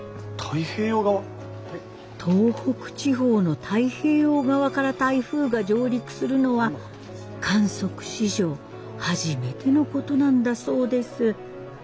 東北地方の太平洋側から台風が上陸するのは観測史上初めてのことなんだそうです。